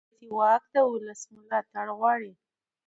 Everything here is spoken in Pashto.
سیاسي واک د ولس ملاتړ غواړي